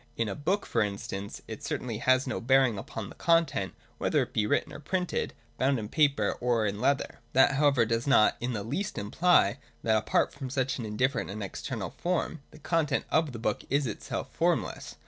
In a book, for instance, it certainly has no bearing upon the content, whether it be written or printed, bound in paper or in leather. That however does not in the least imply that apart from such an indifferent and external form, the content of the book is itself formless.